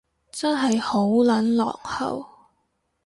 真係好撚落後